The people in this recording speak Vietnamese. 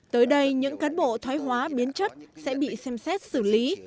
tới đây những cán bộ thoái hóa biến chất sẽ bị xem xét xử lý